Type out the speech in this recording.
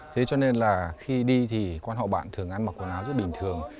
thế cho nên là khi đi thì quan họ bạn thường ăn mặc quần áo rất bình thường